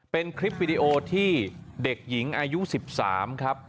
เป็นคลิปวิดีโอที่เด็กหญิงอายุ๑๓ครับ